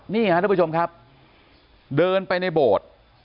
นี่ครับทุกผู้ชมครับเดินไปในโบสถ์